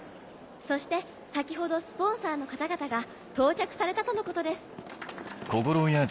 そして先ほどスポンサーの方々が到着されたとのことです。